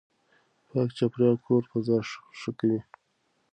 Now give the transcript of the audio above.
پاک چاپېريال کور فضا ښه کوي.